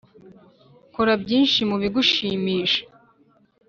kora byinshi mubigushimisha.